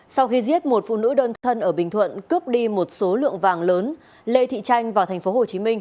sau khi giết một phụ nữ đơn thân ở bình thuận cướp đi một số lượng vàng lớn lê thị tranh vào tp hcm